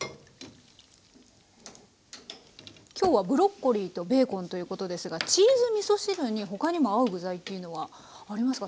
今日はブロッコリーとベーコンということですがチーズみそ汁に他にも合う具材っていうのはありますか？